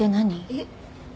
えっ？